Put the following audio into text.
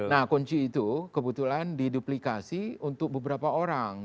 nah kunci itu kebetulan diduplikasi untuk beberapa orang